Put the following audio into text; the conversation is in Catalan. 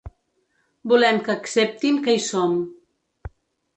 Volem que acceptin que hi som.